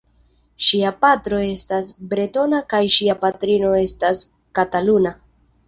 Ŝia patro estas bretona kaj ŝia patrino estas kataluna.